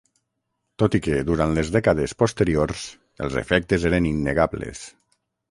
Tot i que, durant les dècades posteriors, els efectes eren innegables.